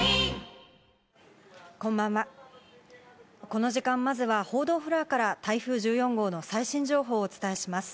この時間、まずは報道フロアから、台風１４号の最新情報をお伝えします。